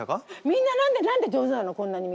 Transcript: みんな何で何で上手なの？